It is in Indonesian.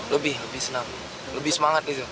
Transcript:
lebih lebih senang lebih semangat gitu